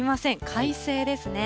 快晴ですね。